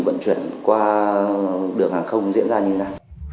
vận chuyển qua đường hàng không diễn ra như thế này